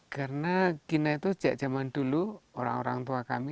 karena kina itu zaman dulu orang orang tua kami